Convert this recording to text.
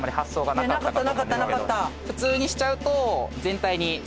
普通にしちゃうと。